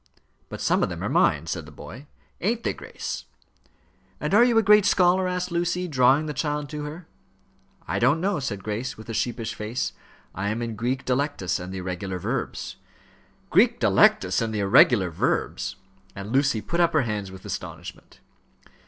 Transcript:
"But some of them are mine," said the boy; "ain't they, Grace?" "And are you a great scholar?" asked Lucy, drawing the child to her. "I don't know," said Grace, with a sheepish face. "I am in Greek Delectus and the irregular verbs." "Greek Delectus and the irregular verbs!" And Lucy put up her hands with astonishment.